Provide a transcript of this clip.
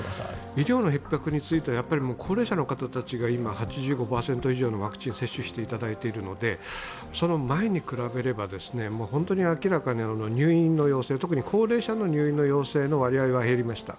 医療のひっ迫については、高齢者の方たちが今８５％以上ワクチン接種していただいているのでその前に比べれば、明らかに入院の特に高齢者の入院の要請の割合は減りました。